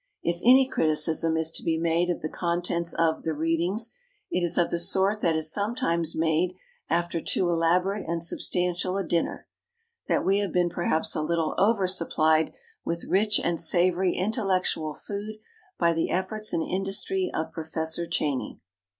If any criticism is to be made of the contents of the "Readings," it is of the sort that is sometimes made after too elaborate and substantial a dinner that we have been perhaps a little over supplied with rich and savory intellectual food by the efforts and industry of Professor Cheyney.